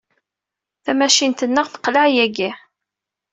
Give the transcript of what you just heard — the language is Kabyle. Tamacint-nneɣ teqleɛ yagi.